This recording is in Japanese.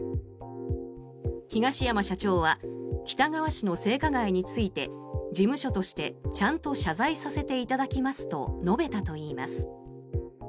東山社長は喜多川氏の性加害について事務所として、ちゃんと謝罪させていただきますと述べたといいます。